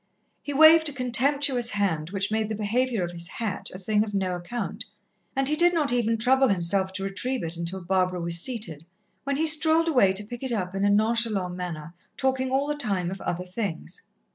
He waved a contemptuous hand which made the behaviour of his hat a thing of no account, and he did not even trouble himself to retrieve it until Barbara was seated, when he strolled away to pick it up in a nonchalant manner, talking all the time of other things.